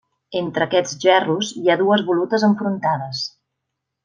Entre aquests gerros hi ha dues volutes enfrontades.